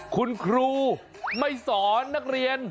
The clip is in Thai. คุณครูไม่สอนนักเรียน